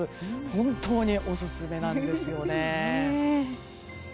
本当にオススメなんですよね。